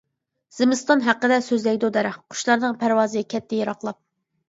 زىمىستان ھەققىدە سۆزلەيدۇ دەرەخ، قۇشلارنىڭ پەرۋازى كەتتى يىراقلاپ.